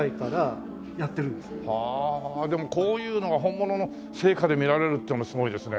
はあでもこういうのが本物の生花で見られるっていうのもすごいですね。